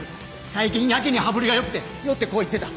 最近やけに羽振りが良くて酔ってこう言ってた。